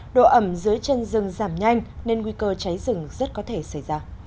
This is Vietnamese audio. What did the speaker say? độ ẩm dưới chân rừng giảm nhanh nên nguy cơ cháy rừng rất có thể xảy ra